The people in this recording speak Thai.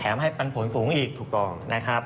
แถมให้ปันผลสูงอีกนะครับถูกต้องครับ